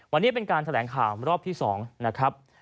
วันนี้เป็นการแถลงข่าวรอบที่๒นะครับ